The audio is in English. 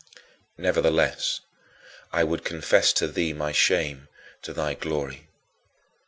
Nevertheless, I would confess to thee my shame to thy glory.